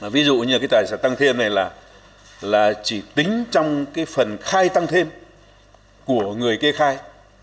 ví dụ như cái tài sản tăng thêm này là chỉ tính trong cái phần khai tăng thêm của người kê khai